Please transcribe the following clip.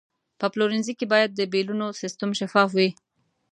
په پلورنځي کې باید د بیلونو سیستم شفاف وي.